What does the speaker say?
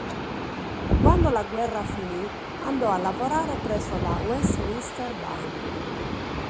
Quando la guerra finì andò a lavorare presso la Westminster Bank.